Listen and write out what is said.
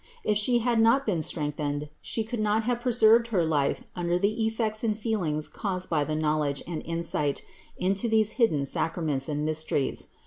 If She had not been strengthened, She could not have preserved her life under the effects and feelings caused by the knowledge and insight into these hidden sacra ments and mysteries.